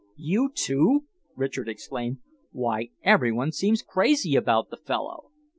"You, too?" Richard exclaimed. "Why, every one seems crazy about the fellow."